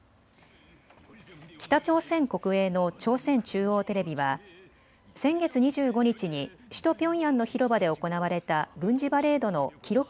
北朝鮮国営の朝鮮中央テレビは先月２５日に首都ピョンヤンの広場で行われた軍事パレードの記録